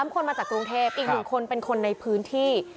๓คนมาจากกรุงเทพอีก๑คนเป็นคนในพื้นที่